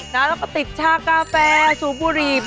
แล้วก็ติดชากาแฟสูบบุหรี่